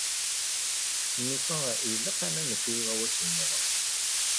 Nufa ilaq ad nanef i uɣawas-nneɣ.